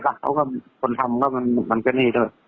เขาก็คือคนทำก็บำแตนอีโต้